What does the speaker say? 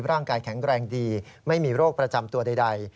ร่างกายแข็งแรงดีไม่มีโรคประจำตัวใด